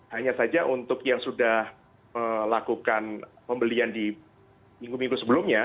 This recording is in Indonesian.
hanya saja untuk yang sudah melakukan pembelian di minggu minggu sebelumnya